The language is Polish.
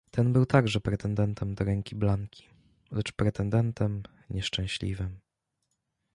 "Ten był także pretendentem do ręki Blanki, lecz pretendentem nieszczęśliwym."